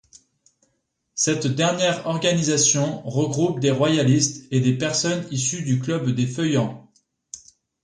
Cette dernière organisation regroupe des royalistes et des personnes issues du Club des Feuillants.